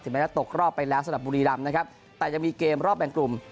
แม้จะตกรอบไปแล้วสำหรับบุรีรำนะครับแต่ยังมีเกมรอบแบ่งกลุ่ม